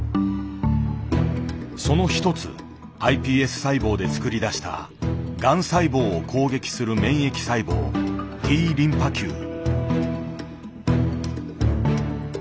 その一つｉＰＳ細胞で作り出したがん細胞を攻撃する免疫細胞「Ｔリンパ球」。